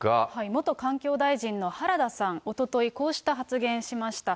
元環境大臣の原田さん、おととい、こうした発言しました。